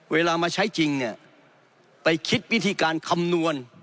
เวลามาใช้จริงเนี่ยไปคิดวิธีการคำนวณ